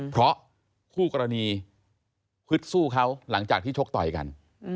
เพราะคู่กรณีฮึดสู้เขาหลังจากที่ชกต่อยกัน